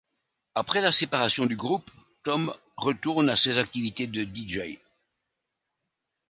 Après la séparation du groupe, Tom retourne à ses activités de dj.